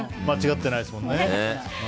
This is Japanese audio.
間違ってないですもんね。